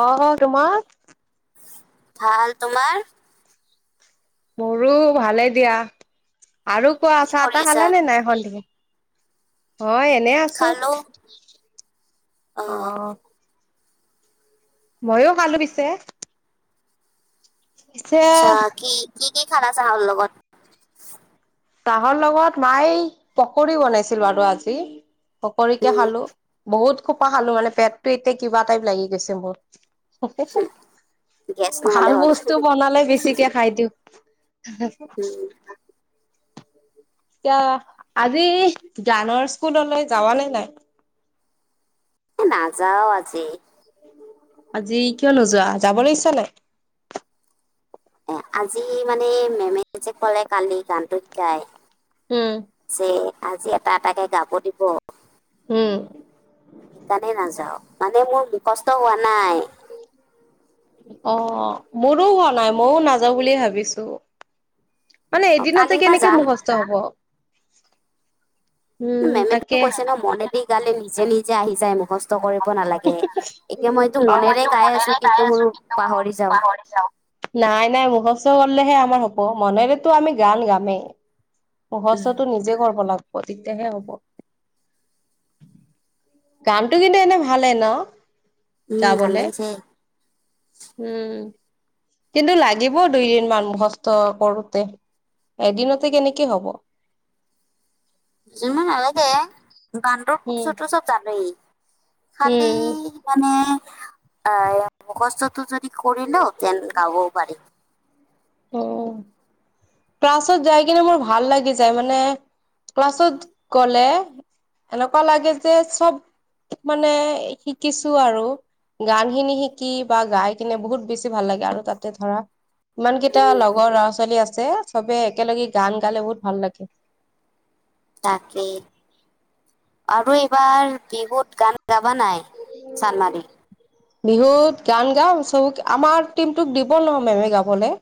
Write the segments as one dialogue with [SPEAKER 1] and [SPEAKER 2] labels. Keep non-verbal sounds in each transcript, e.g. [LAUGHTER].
[SPEAKER 1] অ'-অ' তোমাক
[SPEAKER 2] ভাল, তোমাৰ?
[SPEAKER 1] মোৰো ভালে দিয়া আৰু কোৱা
[SPEAKER 2] কি
[SPEAKER 1] চাহ
[SPEAKER 2] কৰি
[SPEAKER 1] টাহ
[SPEAKER 2] আছা?
[SPEAKER 1] খালানে নাই সন্ধি হয় এনে আছোঁ,
[SPEAKER 2] খালো।
[SPEAKER 1] অ'। ময়ো খালোঁ পিছে। পিছে
[SPEAKER 2] আচ্ছা কি-কি-কি খালা চাহৰ লগত?
[SPEAKER 1] চাহৰ লগত মায়ে পকৰী বনাইছিল বাৰু আজি। পকৰিকে
[SPEAKER 2] উম,
[SPEAKER 1] খালোঁ বহুত খোপা খালো মানে পেটটো এতিয়া কিবা টাইপ লাগি গৈছে মোৰ। হো হো,
[SPEAKER 2] গেছ নহ'লে
[SPEAKER 1] ভাল
[SPEAKER 2] হ'ল।
[SPEAKER 1] বস্তু বনালে বেছিকে খাই দিওঁ। [UNINTELLIGIBLE]
[SPEAKER 2] উম।
[SPEAKER 1] এতিয়া আজি গানৰ স্কুললৈ যাৱা নে নাই?
[SPEAKER 2] নাযাও আজি
[SPEAKER 1] আজি কিয় নোযোৱা যাবলৈ ইচ্ছা নাই?
[SPEAKER 2] এ আজি মানে মেমে যে কলে কালি গানটো শিকাই
[SPEAKER 1] উম
[SPEAKER 2] যে আজি এটা এটাকে গাব দিব
[SPEAKER 1] উম।
[SPEAKER 2] সেইকাৰনে নাযাও মানে মোৰ মুখস্থ হোৱা নাই।
[SPEAKER 1] অ, মোৰো হোৱা নাই, মইও নাযাওঁ বুলি ভাবিছো। মানে
[SPEAKER 2] অ',
[SPEAKER 1] এদিনতে
[SPEAKER 2] কালিৰ পৰা
[SPEAKER 1] কেনেকে
[SPEAKER 2] যাম।
[SPEAKER 1] মুখস্থ হব উম
[SPEAKER 2] মেমেতো
[SPEAKER 1] তাকে
[SPEAKER 2] কৈছে ন মনেদি গালে নিজে নিজে আহি যায় মুখস্থ স্থ কৰিব নালাগে, এতিয়া মই এইটো
[SPEAKER 1] অ
[SPEAKER 2] মনেৰে গাই আছো কিন্তু মোৰ পাহৰি যাওঁ
[SPEAKER 1] নাই, নাই মুখস্থ কৰিলেহে আমাৰ হ'ব মনেৰেতো আমি গান গামেই মুখস্থটো নিজে কৰিব লাগিব তেতিয়াহে হ'ব গানটো কিন্তু এনে ভালে ন
[SPEAKER 2] উম, ভাল
[SPEAKER 1] গাবলে,
[SPEAKER 2] লাগিছে।
[SPEAKER 1] উ'ম। কিন্তু লাগিব দুইদিন মান মুখস্থ কৰোতে, এদিনতে কেনেকে হ'ব
[SPEAKER 2] ইমান নালাগে গানটোৰ সুৰ
[SPEAKER 1] উম
[SPEAKER 2] চৰটো চব জানেই খালি।
[SPEAKER 1] উম
[SPEAKER 2] মানে আহ মুখস্ততো যদি কৰি লও তেন গাবও পাৰিম।
[SPEAKER 1] উম
[SPEAKER 2] [UNINTELLIGIBLE]
[SPEAKER 1] ক্লাছত যাই কিনে মোৰ ভাল লাগি যায় মানে ক্লাছত গ'লে এনেকুৱা লাগে যে চব মানে শিকিছো আৰু গানখিনি শিকি বা গাই কিনে বহুত বেছি ভাল লাগে আৰু তাতে ধৰা ইমান টা
[SPEAKER 2] উম
[SPEAKER 1] লগৰ ল'ৰা ছোৱালী আছে সবে একেলগে গান গালে বহুত ভাল লাগে
[SPEAKER 2] তাকে। আৰু এইবাৰ বিহুত গান গাবা নাই চানমাৰিত?
[SPEAKER 1] বিহুত গান গাম চব আমাৰ টিমটোক দিব নহ মেমে গাবলে?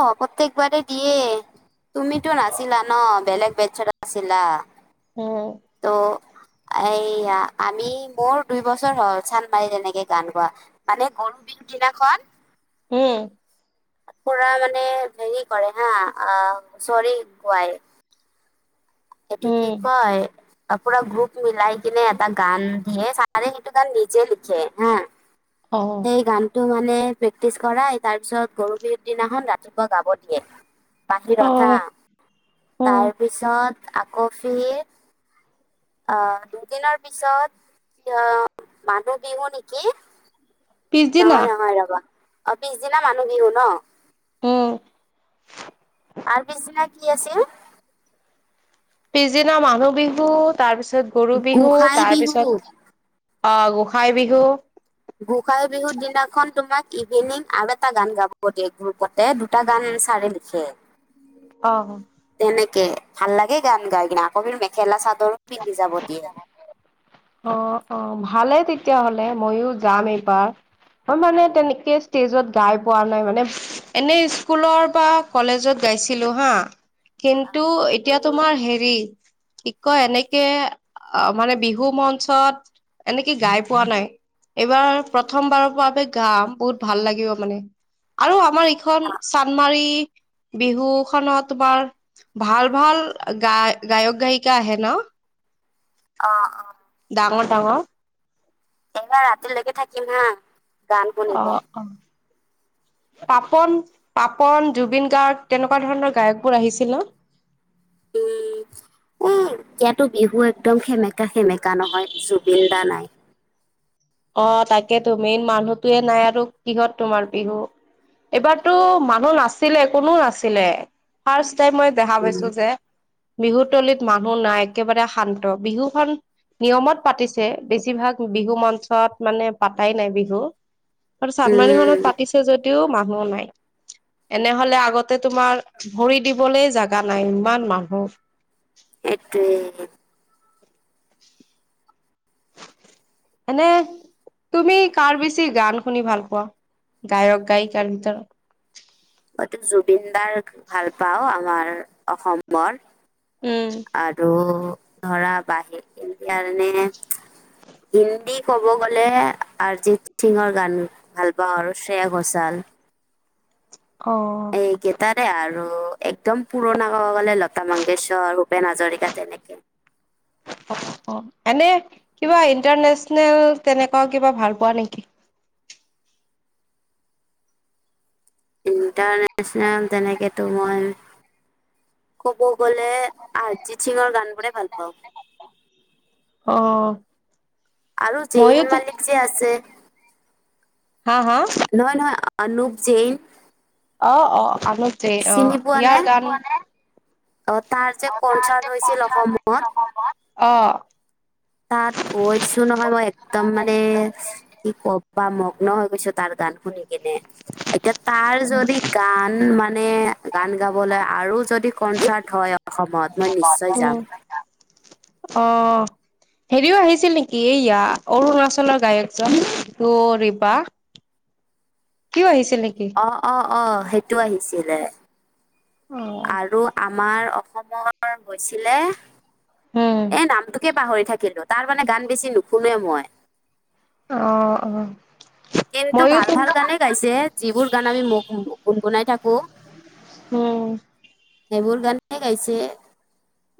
[SPEAKER 2] অ প্ৰত্যেকবাৰেই দিয়ে তুমিতো নাছিলা ন, বেলেগ বেটছত আছিলা।
[SPEAKER 1] উ'ম।
[SPEAKER 2] ত' এইয়া আমি মোৰ দুই বছৰ হ'ল চানমাৰীত তেনেকে গান গোৱা। মানে গৰু বিহু দিনাখন
[SPEAKER 1] উ'ম।
[SPEAKER 2] পুৰা মানে হেৰি কৰে হা অ হুচৰি গোৱাই সেইটো কি
[SPEAKER 1] উম
[SPEAKER 2] কয় পুৰা গ্ৰুপ মিলাই কিনে এটা গান দিয়ে চা চাৰে সেইটো গান নিজে লিখে হা
[SPEAKER 1] অ
[SPEAKER 2] সেই গান টো মানে প্ৰেক্টিচ কৰাই তাৰ পিছত গৰু বিহুৰ দিনাখন ৰাতিপুৱা গাব দিয়ে। বাহিৰত হা
[SPEAKER 1] অ
[SPEAKER 2] তাৰপিছত আকৌ ফিৰ অ দুদিনৰ পিছত, অ মানুহ বিহু নেকি।
[SPEAKER 1] পিছ দিনা।
[SPEAKER 2] নহয় নহয় ৰবা, অ পিছদিনা মানুহ বিহু ন।
[SPEAKER 1] উ'ম।
[SPEAKER 2] তাৰ পিছদিনা কি আছিল?
[SPEAKER 1] পিছদিনা মানুহ বিহু তাৰপিছত গৰু বিহু
[SPEAKER 2] গোসাই বিহু
[SPEAKER 1] তাৰপিছত। অ গোঁসাই বিহু।
[SPEAKER 2] গোঁসাই বিহুৰ দিনাখন তোমাক ইভিনিং আৰু এটা গান গাব দিয়ে গ্ৰুপত। তে দুটা গান এ চাৰে লিখে।
[SPEAKER 1] অ'হ।
[SPEAKER 2] তেনেকে, ভাল লাগে গান গাই কিনে, আকৌ বোলে মেখেলা চাদৰো পিন্ধি যাব দিয়ে।
[SPEAKER 1] অ অ' ভালে তেতিয়াহ'লে মইয়ো গাম এইবাৰ, মই মানে তেনেকে ষ্টেজত গাই পোৱা নাই মানে, এনে স্কুলৰ বা কলেজত গাইছিলো হা, কিন্তু এতিয়া তোমাৰ হেৰি, কি কয় এনেকে মানে বিহু মঞ্চত এনেকে গাই পোৱা নাই। এইবাৰ প্ৰথমবাৰৰ বাবে গাম বহুত ভাল লাগিব মানে। আৰু আমাৰ ইখন চানমাৰি বিহু খনত তোমাৰ ভাল ভাল গ গায়ক গায়িকা আহে ন।
[SPEAKER 2] অহ, অহ।
[SPEAKER 1] ডাঙৰ ডাঙৰ।
[SPEAKER 2] এইবাৰ ৰাতিলৈকে থাকিম হা গান শুনিব
[SPEAKER 1] অ'হ অ'হ। পাপন -পাপন, জুবিন গাৰ্গ তেনেকুৱা ধৰণৰ গায়কবোৰ আহিছিল ন?
[SPEAKER 2] উম, এ এয়াতো বিহু একদম সেমেকা সেমেকা সেমেকা নহয়, জুবিন দা নাই।
[SPEAKER 1] অহ' তাকেতো মেইন মানুহতোৱে নাই আৰু, কিহত তোমাৰ বিহু। এইবাৰতো মানুহ নাছিলে, কোনো নাছিলে, ফাৰ্ষ্ট টাইম মই দেখা
[SPEAKER 2] উম
[SPEAKER 1] পাইছো যে, বিহুতলিত মানুহ নাই একেবাৰে শান্ত বিহুখন নিয়মত পাতিছে, বেছিভাগ বিহু মঞ্চ ত মানে পাতাই নাই বিহু, আৰু চান্দমাৰী খনত
[SPEAKER 2] উম
[SPEAKER 1] পাতিছে যদিও মানুহ নাই। এনেহ'লে আগতে তোমাৰ ভৰি দিবলৈ জাগা নাই ইমান মানুহ।
[SPEAKER 2] সেইটোয়ে,
[SPEAKER 1] এনে তুমি কাৰ বেছি গান শুনি ভাল পোৱা, গায়ক-গায়িকাৰ ভিতৰত?
[SPEAKER 2] মইতো জুবিন দাৰ ভাল পাও আমাৰ অসমৰ
[SPEAKER 1] উম'।
[SPEAKER 2] আৰু ধৰা বাহি ইণ্ডিয়াৰ এনে হিন্দী ক'ব গ'লে আৰজিত সিঙৰ গান ভাল পাওঁ আৰু শ্ৰেয়া ঘোছাল
[SPEAKER 1] অহ'।
[SPEAKER 2] কেইটাৰে আৰু একদম পুৰণা ক'ব গ'লে- লতামংগেশ্বৰ, ভূপেন হাজৰিকা তেনেকে [INAUDIBLE]
[SPEAKER 1] অহ অহ, এনে কিবা ইণ্টাৰনেশ্যনেল তেনেকুৱা কিবা ভাল পোৱা নেকি?
[SPEAKER 2] ইণ্টাৰনেশ্যনেল তেনেকেতো মই ক'ব গ'লে অৰিজিত সিঙৰ গান বোৰে ভাল পাওঁ।
[SPEAKER 1] অহ'।
[SPEAKER 2] আৰু জেইন মালিক যে আছে
[SPEAKER 1] হা হা।
[SPEAKER 2] নহয়, নহয় অনুপ জৈন
[SPEAKER 1] অ অ অনুপ জেইন, অ
[SPEAKER 2] চিনি পোৱা
[SPEAKER 1] ইয়াৰ
[SPEAKER 2] নে
[SPEAKER 1] গান
[SPEAKER 2] অ তাৰ যে
[SPEAKER 1] অ তাৰ
[SPEAKER 2] কনচাৰ্ট
[SPEAKER 1] যে
[SPEAKER 2] হৈছিল
[SPEAKER 1] কনসাৰ্ট
[SPEAKER 2] অসমত
[SPEAKER 1] হৈছিল অসমত, অহ'
[SPEAKER 2] তাত গৈছো নহয় মই একদম মানে কি কবা মগ্ন হৈ গৈছো তাৰ গান শুনি কিনে এতিয়া তাৰ যদি গান মানে গান গাবলৈ আৰু যদি কনচাৰ্ট হয় অসমত মই নিশ্চয় যাম।
[SPEAKER 1] অহ'। হেৰিও আহিছিল নেকি এইয়া অৰুণাচলৰ গায়কজন ৰিতু' ৰিবা সিও আহিছিল নেকি?
[SPEAKER 2] অ অ অ সেইটো আহিছিলে
[SPEAKER 1] অ'।
[SPEAKER 2] আৰু আমাৰ অসমৰ গৈছিলে
[SPEAKER 1] উম,
[SPEAKER 2] এ নামটোকে পাহৰি থাকিলো, তাৰ মানে গান বেছি নুশুনোৱে মই
[SPEAKER 1] অ, অ।
[SPEAKER 2] কিন্তু
[SPEAKER 1] মইয়ো
[SPEAKER 2] ভাল
[SPEAKER 1] তো
[SPEAKER 2] ভাল গানে গাইছে, যিবোৰ গান আমি ম গুণগুণাই থাকো।
[SPEAKER 1] উম।
[SPEAKER 2] সেইবোৰ গানেই গাইছে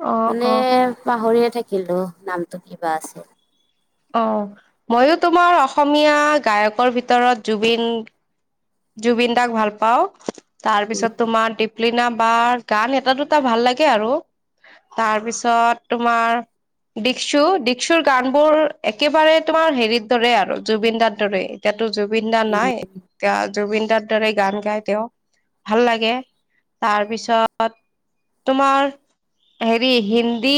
[SPEAKER 1] অ',
[SPEAKER 2] মানে
[SPEAKER 1] অ',
[SPEAKER 2] পাহৰিয়ে থাক কিলো নামটো কিবা আছিল।
[SPEAKER 1] অ, ময়ো তোমাৰ অসমীয়া গায়কৰ ভিতৰত জুবিন জুবিন দাক ভাল পাওঁ। তাৰপিছত
[SPEAKER 2] অ
[SPEAKER 1] তোমাৰ দ্বীপ লিনা বা গান এটা, দুটা ভাল লাগে আৰু তাৰপিছত তোমাৰ দীক্ষু দীক্ষুৰ গান বোৰ একেবাৰে তোমাৰ হেৰিৰ দৰে আৰু, জুবিন দাৰ দৰে। এতিয়াতো জুবিন দা নাই এতিয়া জুবিন দাৰ দৰে গান গাই তেওঁ, ভাল লাগে তাৰ পিছত তোমাৰ হেৰি হিন্দী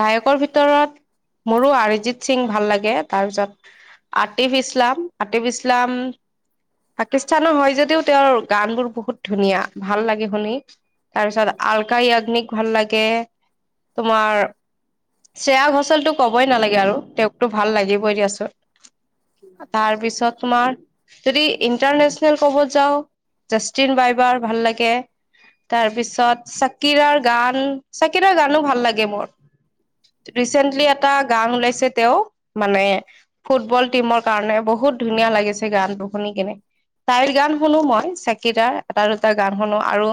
[SPEAKER 1] গায়কৰ ভিতৰত মোৰো অৰিজিত সিং ভাল লাগে তাৰপিছত আটিফ ইছলাম, আটিফ ইছলাম পাকিস্তানৰ হয় যদিও তেওঁৰ গানবোৰ বহুত ধুনীয়া, ভাল লাগে শুনি। তাৰ পিছত আলকা য়াগ্নিক ভাল লাগে, তোমাৰ শ্ৰেয়া ঘচালটো ক'বই নালাগে আৰু তেওঁকতো ভাল লাগিবই দিয়াচোন। তাৰপিছত তোমাৰ যদি ইণ্টাৰনেচনেল ক'ব যাওঁ, জাষ্টিন বাইবাৰ ভাল লাগে। তাৰপিছত চাকিৰাৰ গান, চাকিৰাৰ গানো ভাল লাগে মোৰ। ৰিচেণ্টলি এটা গান ওলাইছে তেওঁ মানে ফুটবল টিমৰ কাৰণে বহুত ধুনীয়া লাগিছে গানটো শুনি। কেনে তাইৰ গান শুনো মই চাকিটাৰ এটা - দুটা গান শুনো আৰু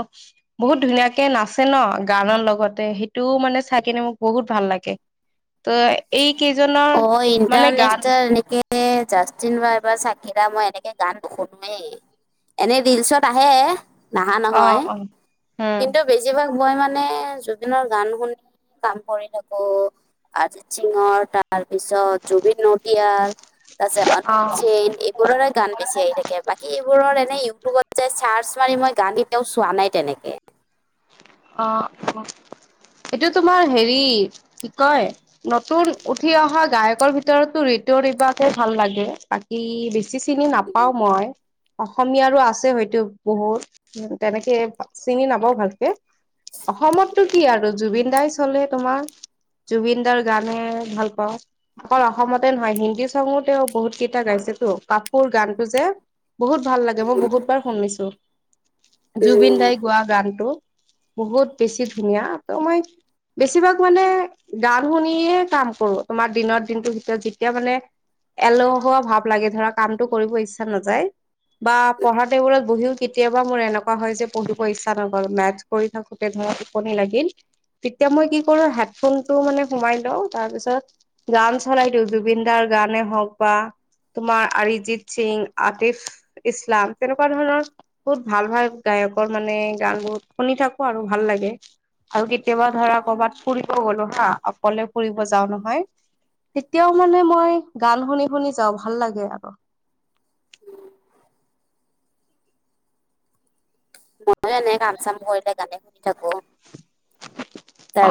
[SPEAKER 1] বহুত ধুনীয়াকে নাচে ন গানৰ লগতে সেইটোও মানে চাই কিনে মোক বহুত ভাল লাগে। ত এই কেইজনৰ
[SPEAKER 2] অ
[SPEAKER 1] মানে গান
[SPEAKER 2] ইণ্টাৰনেচনেল এনেকে এ জাষ্টিন বাইবাৰ, চাকিৰা মই এনেকে গান শুনোৱেই। এনেই ৰিলচত আহে, নাহা
[SPEAKER 1] অ
[SPEAKER 2] নহয়
[SPEAKER 1] অ উম
[SPEAKER 2] কিন্তু বেছিভাগ মই মানে জুবিনৰ গান শুনি কাম কৰি থাকো আজি জিনৰ তাৰ পিছত জুবিন নদিয়াল তাৰপিছত অনুপ জেইন এই এইবোৰৰে গান বেছি আহি থাকে, বাকী এইবোৰৰ এনেই ইউটিউবত যাই চাৰ্চ মাৰি মই গান কেতিয়াও চোৱা নাই তেনেকে।
[SPEAKER 1] অ অ, এইটো তোমাৰ হেৰি কি কয় নতুন উঠি অহা গায়কৰ ভিতৰতো ঋতু ৰিবাকে ভাল লাগে। তাক ই বেছি চিনি নাপাও মই। অসমীয়াৰো আছে হয়তো বহুত তেনেকে চিনি নাপাও ভালকে? অসমতটো কি আৰু জুবিন দাই চলে তোমাৰ। জুবিনদাৰ গানে ভাল পাওঁ। অকল অসমতে নহয়, হিন্দী চঙো তেওঁ বহুত কেইটা গাইছেতো কাপুৰ গানটো যে। বহুত ভাল লাগে মই বহুত বাৰ শুনিছো, জুবিন
[SPEAKER 2] উম
[SPEAKER 1] দাই গোৱা গানটো। বহুত বেছি ধুনীয়া ত মই বেছিভাগ মানে গান শুনিয়ে কাম কৰো, তোমাৰ দিনৰ দিনটোৰ ভিতৰত যেতিয়া মানে এলহুৱা ভাৱ লাগে ধৰা কামটো কৰিব ইচ্ছা নাযায়। বা পঢ়া টেবুলত বহিও কেতিয়াবা মোৰ এনেকুৱা হয় যে পঢ়িব ইচ্ছা নগ'ল মেথচ কৰি থাকোঁতে ধৰা টোপনি লাগিল। তেতিয়া মই কি কৰো হেডফোনটো মানে সোমাই লওঁ তাৰপিছত গান চলাই দিওঁ, জুবিন দাৰ গানে হওক বা তোমাৰ আৰিজিত সিং, আতিফ ইছলাম তেনেকুৱা ধৰণৰ বহুত ভাল ভাল গায়কৰ মানে গানবোৰ শুনি থাকো আৰু ভাল লাগে আৰু কেতিয়াবা ধৰা কৰবাত ফুৰিব গলো হা আ অকলে ফুৰিব যাও নহয় তেতিয়াও মানে মই গান শুনি শুনি যাওঁ ভাল লাগে আৰু।
[SPEAKER 2] ময়ো এনে কাম চাম কৰিলে কাৰণে কৰি থাকো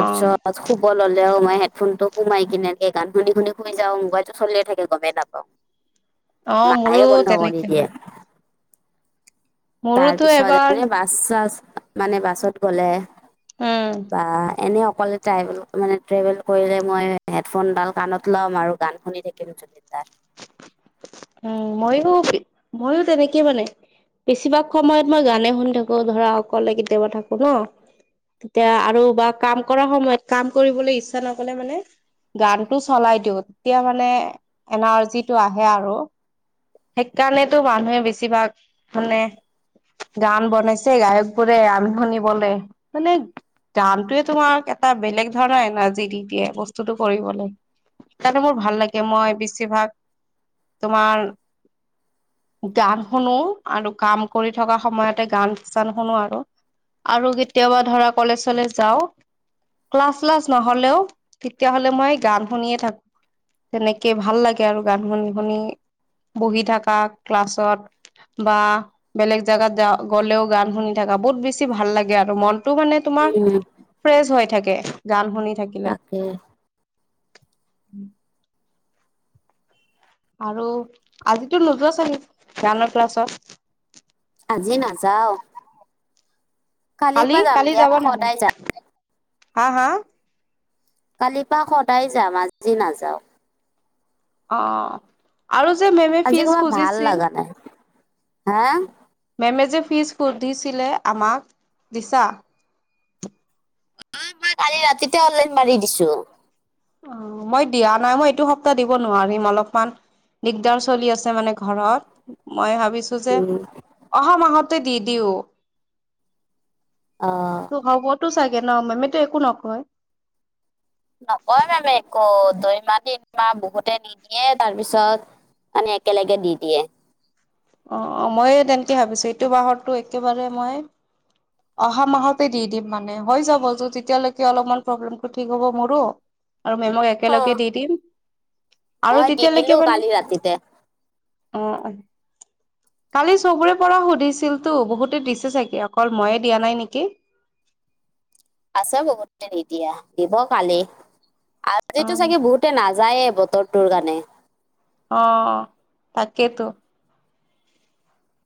[SPEAKER 1] অ
[SPEAKER 2] শুব ল'লেও মই হেডফোনটো সোমাই কেনেকে গান শুনি শুনি শুই যাও মোবাইলটো চলিয়ে থাকে গমেই নাপাও?
[SPEAKER 1] অ
[SPEAKER 2] মায়ে
[SPEAKER 1] মোৰো
[SPEAKER 2] বন্ধ কৰি
[SPEAKER 1] তেনেকে
[SPEAKER 2] দিয়ে।
[SPEAKER 1] হয় মোৰোতো
[SPEAKER 2] তাৰপিছত
[SPEAKER 1] এবাৰ
[SPEAKER 2] এনে বাছ - চাছ মানে বাছত গ'লে
[SPEAKER 1] উম,
[SPEAKER 2] বা, এনে অকলে ট্ৰভেল মানে ট্ৰেভেল কৰিলে মই হেডফোনডাল কাণত ল'ম আৰু গান শুনি থাকিম। [UNINTELLIGIBLE]
[SPEAKER 1] উম, মইয়ো, মইয়ো তেনেকে মানে। বেছিভাগ সময়ত মই গানে শুনি থাকো ধৰা অকলে কেতিয়াবা থাকো ন'। তেতিয়া আৰু বা কাম কৰা সময়ত কাম কৰিবলৈ ইচ্ছা নকলে মানে গানটো চলাই দিও, তেতিয়া মানে, এনাৰ্জিটো আহে আৰু। সেইকাৰণেতো মানুহে বেছিভাগ, মানে গান বনাইছে গায়কবোৰে আমি শুনিবলে মানে গানটোৱে তোমাক এটা বেলেগ ধৰণৰ এনাৰ্জি দি দিয়ে বস্তুটো কৰিবলৈ। তাতে মোৰ ভাল লাগে মই বেছিভাগ তোমাৰ গান শুনো, আৰু কাম কৰি থকা সময়তে গান চান শুনো আৰু। আৰু কেতিয়াবা ধৰা কলেজ চলেজ যাওঁ। ক্লাছ চ্লাছ নহ'লেও, তেতিয়াহ'লে মই গান শুনিয়ে থাকো। তেনেকে ভাল লাগে আৰু গান শুনি শুনি। বহি থাকা, ক্লাছত। বা, বেলেগ জাগাত যাওঁ গ'লে গান শুনি থাকা বহুত বেছি ভাল লাগে আৰু মনটো মানে তোমাৰ,
[SPEAKER 2] উম
[SPEAKER 1] ফ্ৰেচ হৈ থাকে গান শুনি থাকে
[SPEAKER 2] তাকে।
[SPEAKER 1] আৰু, আজিতো নোযোৱা চাগে গানৰ ক্লাছত।
[SPEAKER 2] আজি নাযাও। কালিৰ
[SPEAKER 1] কালি
[SPEAKER 2] পৰা যাম
[SPEAKER 1] কালি
[SPEAKER 2] দিয়া
[SPEAKER 1] যাব না নাই,
[SPEAKER 2] সদায় যাম
[SPEAKER 1] হা, হা?
[SPEAKER 2] কালি পা সদায় যাম আজি নাযাওঁ।
[SPEAKER 1] অ', আৰু যে মেমে
[SPEAKER 2] আজি
[SPEAKER 1] ফিজ খুজিছিল।
[SPEAKER 2] হে?
[SPEAKER 1] মেমে যে ফিজ সুধিছিলে আমাক, দিছা?
[SPEAKER 2] অ', মই কালি ৰাতিতে অনলাইন মাৰি দিছো।
[SPEAKER 1] অ', মই দিয়া নাই মই এইটো সপ্তাহ দিব নোৱাৰিম অলপমান দিগদাৰ চলি আছে মানে ঘৰত, মই ভাবিছ টো যে,
[SPEAKER 2] উম
[SPEAKER 1] অহা মাহতে দি দিও।
[SPEAKER 2] অ',
[SPEAKER 1] হ'বতো চাগে ন' মেমটো একো নকয়।
[SPEAKER 2] নকয় মেমে একো দুইমাহ তিনমাহ বহুতে নিদিয়ে তাৰপিছত মানে একেলগে দি দিয়ে।
[SPEAKER 1] অ', অ, মইও তেনেতে ভাবিছোঁ এইটো মাহৰটো একেবাৰে মই অহা মাহতে দি দিম মানে হৈ যাব [UNINTELLIGIBLE] তেতিয়ালৈকে অলপমান প্ৰব্লেমটো ঠিক হ'ব মোৰো আৰু মেমক
[SPEAKER 2] অ,
[SPEAKER 1] একেলগে দি দিম,
[SPEAKER 2] মই
[SPEAKER 1] আৰু
[SPEAKER 2] দি দিলো
[SPEAKER 1] তেতিয়ালৈকে মানে
[SPEAKER 2] কালি ৰাতিতে
[SPEAKER 1] অ', কালি চবৰে পৰা সুধিছিলতো বহুতে দিছে চাগে অকল মইয়ে দিয়া নাই নেকি?
[SPEAKER 2] আছা বহুতে নিদিয়া দিব কালি,
[SPEAKER 1] অ
[SPEAKER 2] আজিতো চাগে বহুত তে নাযায়ে বতৰটোৰ কাৰণে।
[SPEAKER 1] অ', তাকেতো।